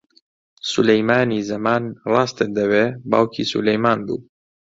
سولەیمانی زەمان، ڕاستت دەوێ، باوکی سولەیمان بوو